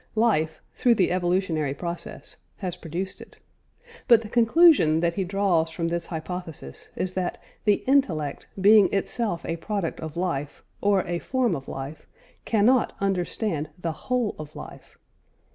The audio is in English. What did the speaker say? Life (through the evolutionary process) has produced it. But the conclusion that he draws from this hypothesis is that the intellect, being itself a product of life, or a form of life, cannot understand the whole of life.